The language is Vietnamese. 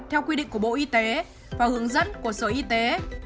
theo quy định của bộ y tế và hướng dẫn của sở y tế